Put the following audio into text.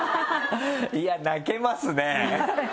いや泣けますね。